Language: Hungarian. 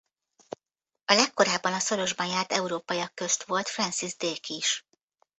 A legkorábban a szorosban járt európaiak közt volt Francis Drake is.